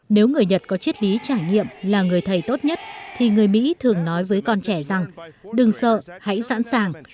nếu người nhật có chiết lý trải nghiệm là người thầy tốt nhất thì người mỹ thường nói với con trẻ rằng đừng sợ hãy sẵn sàng